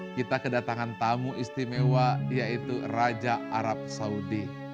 kita kedatangan tamu istimewa yaitu raja arab saudi